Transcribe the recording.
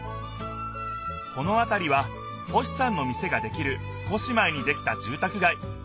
このあたりは星さんの店ができる少し前にできたじゅうたくがい。